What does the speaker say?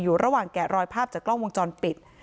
ระหว่างแกะรอยภาพจากกล้องวงจรปิด